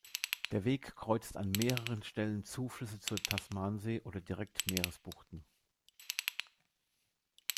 Der Weg kreuzt an mehreren Stellen Zuflüsse zur Tasmansee oder direkt Meeresbuchten.